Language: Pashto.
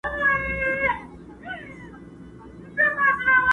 هم دي عقل هم دي فکر پوپناه سو!.